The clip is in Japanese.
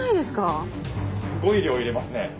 すごい量入れますね。